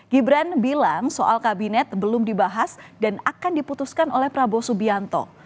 gibran bilang soal kabinet belum dibahas dan akan diputuskan oleh prabowo subianto